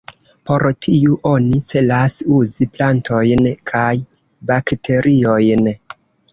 Por tiu oni celas uzi plantojn kaj bakteriojn.